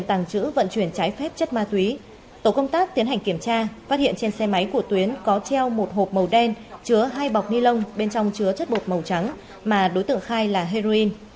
tổ công tác tiến hành kiểm tra phát hiện trên xe máy của tuyến có treo một hộp màu đen chứa hai bọc ni lông bên trong chứa chất bột màu trắng mà đối tượng khai là heroin